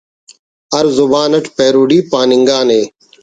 ہر زبان it parody پاننگانے